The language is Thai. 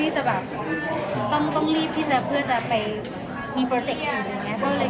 มีสาวนายต้องรีบโครงเด็ก